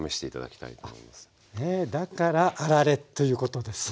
ねえだからあられということですね。